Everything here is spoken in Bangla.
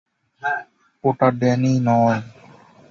ওটা ড্যানি নয়।